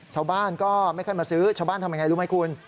ชาวบ้านก็ไม่ค่อยมาซื้อชาวบ้านทำยังไงรู้ไหมคุณ